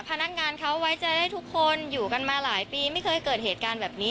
พนักงานเขาไว้ใจให้ทุกคนอยู่กันมาหลายปีไม่เคยเกิดเหตุการณ์แบบนี้